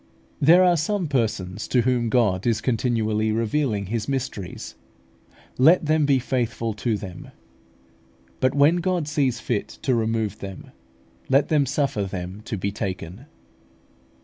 There are some persons to whom God is continually revealing His mysteries: let them be faithful to them. But when God sees fit to remove them, let them suffer them to be taken.